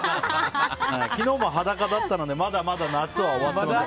昨日も裸だったのでまだまだ夏は終わっていません。